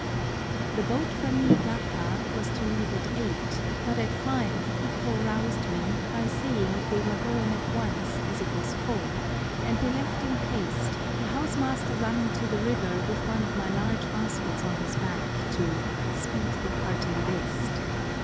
THE boat for Niigata was to leave at eight, but at five Ito roused me by saying they were going at once, as it was full, and we left in haste, the house master running to the river with one of my large baskets on his back to "speed the parting guest."